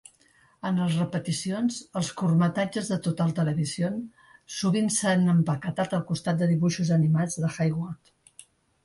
En els repeticions, els curtmetratges de Total Television sovint s'han empaquetat al costat de dibuixos animats de Jay Ward.